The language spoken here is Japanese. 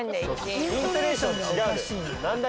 イントネーション違うんだよ。